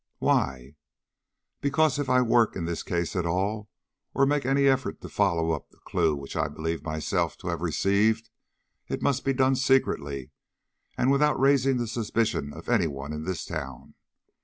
"Why?" "Because if I work in this case at all, or make any efforts to follow up the clue which I believe myself to have received, it must be done secretly, and without raising the suspicion of any one in this town.